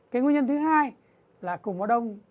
cái nguyên nhân thứ hai là củng bó đông